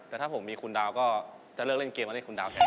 แต่ถ้าผมมีคุณดาวก็จะเลือกเล่นเกมมาเล่นคุณดาวแทน